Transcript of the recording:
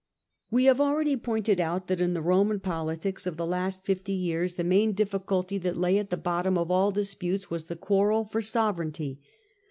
We have already pointed out that in the Eomaa politics of the last fifty years the main difficulty that lay at the bottom of all disputes was the quarrel for sovereignty.